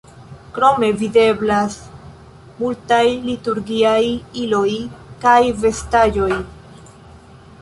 Krome videblas multaj liturgiaj iloj kaj vestaĵoj.